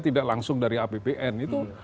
tidak langsung dari apbn itu